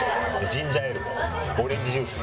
ジンジャーエールもオレンジジュースも。